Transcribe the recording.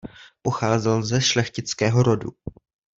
Pocházel ze šlechtického rodu.